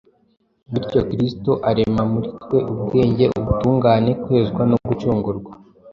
Bityo Kristo arema muri twe ubwenge, ubutungane, kwezwa no gucungurwa.